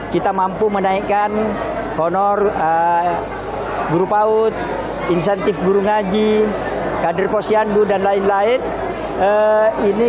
kita mampu menaikkan honor guru paut insentif guru ngaji kader posyandu dan lain lain ini